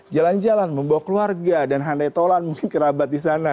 jalan jalan membawa keluarga dan handai tolan mungkin kerabat di sana